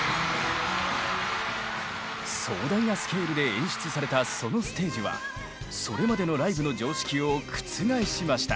壮大なスケールで演出されたそのステージはそれまでのライブの常識を覆しました。